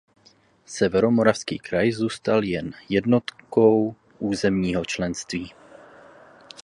Severomoravský kraj zůstal jen jednotkou územního členění.